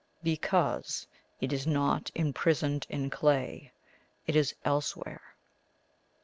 Because it is not imprisoned in clay; it is elsewhere."